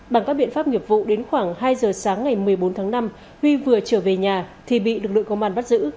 bằng các biện pháp nghiệp vụ đến khoảng hai giờ sáng ngày một mươi bốn tháng năm huy vừa trở về nhà thì bị lực lượng công an bắt giữ